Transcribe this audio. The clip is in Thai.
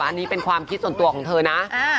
อันนี้เป็นความคิดส่วนตัวของเธอนะ